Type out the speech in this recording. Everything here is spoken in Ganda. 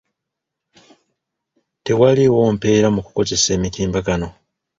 Tewaliiwo mpeera mu kukozesa emitimbagano.